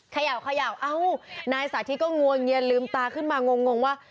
ขย่าวเอานายสัตว์ที่ก็งวงเงียนลืมตาขึ้นมางงว่า